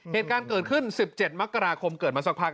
เหตุการณ์เกิดขึ้น๑๗มกราคมเกิดมาสักพัก